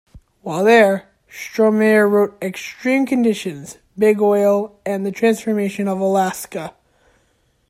While there, Strohmeyer wrote "Extreme Conditions: Big Oil and the Transformation of Alaska".